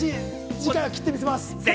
次回は切ってみせます！